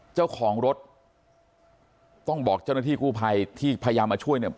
เจ้าของรถต้องบอกเจ้าหน้าที่กู้ภัยที่พยายามมาช่วยเนี่ย